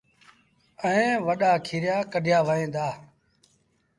ائيٚݩ وڏآ کيريآ ڪڍيآ وهيݩ دآ